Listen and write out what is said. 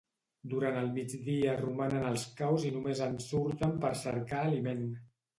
Durant el migdia romanen als caus i només en surten per cercar aliment.